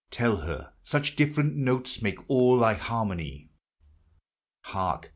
Tell her, such different notes make all thy Dar in on j r . Hark !